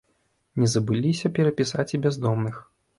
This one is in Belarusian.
Не забыліся перапісаць і бяздомных.